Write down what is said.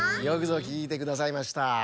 よくぞきいてくださいました。